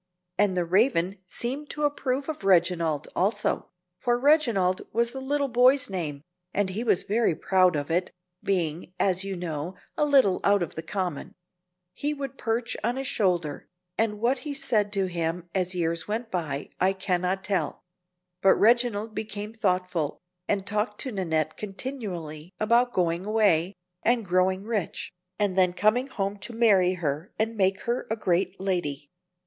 And the Raven seemed to approve of Reginald also for Reginald was the little boy's name, and he was very proud of it, being, as you know, a little out of the common; he would perch on his shoulder, and what he said to him as years went by I can not tell; but Reginald became thoughtful, and talked to Nannette continually about going away, and growing rich, and then coming home to marry her and make her a great lady.